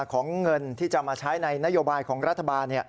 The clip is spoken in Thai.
ของเงินที่จะมาใช้ในนโยบายของรัฐบาล